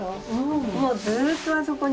もうずっとあそこに。